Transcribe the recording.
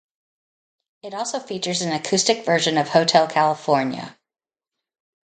It also features an acoustic version of Hotel California.